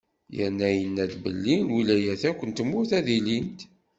Yerna yenna-d belli: “Lwilayat akk n tmurt, ad ilint."